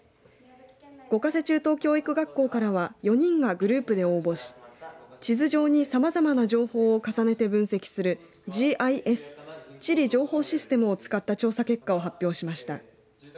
五ヶ瀬中等教育学校からは４人がクループで応募し地図上にさまざまな情報を重ねて分析するＧＩＳ地理情報システムを使った調査結果を発表しました。